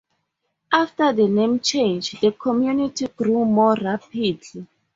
After the name change, the community grew more rapidly.